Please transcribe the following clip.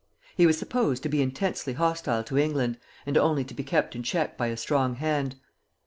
He was supposed to be intensely hostile to England, and only to be kept in check by a strong hand.